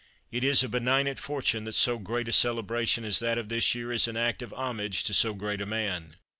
It is a benignant fortune that so great a celebration as that of this year is an act of homage to so great a man.